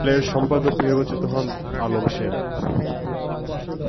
দলের সম্পাদক নির্বাচিত হন অমল সেন।